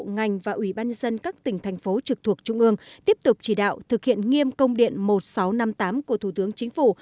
ngành và ủy ban nhân dân các tỉnh thành phố trực thuộc trung ương tiếp tục chỉ đạo thực hiện nghiêm công điện một nghìn sáu trăm năm mươi tám của thủ tướng chính phủ